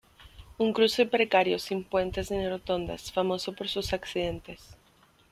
Un cruce precario sin puentes ni rotondas famoso por sus accidentes.